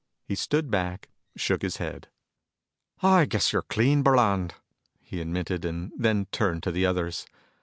He stood back, shook his head. "I guess you're clean, Burland," he admitted, and then turned to the others.